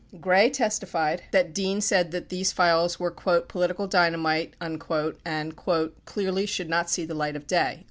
15 Gray testified that Dean said that these files were "political dy namite," and "clearly should not see the light of day."